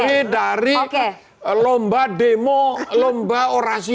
itu gak pernah di kantor polisi